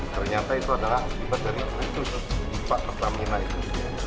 ternyata itu adalah akibat dari putus pipa pertamina itu